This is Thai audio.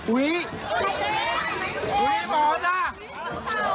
อุ๊ยกระเป๋ากลัว